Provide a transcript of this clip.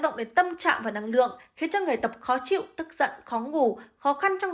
động đến tâm trạng và năng lượng khiến cho người tập khó chịu tức giận khó ngủ khó khăn trong